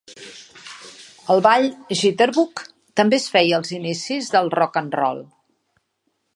El ball Jitterbug també es feia als inicis del "rock-and-roll".